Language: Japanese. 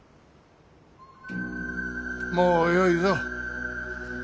もうよいぞ。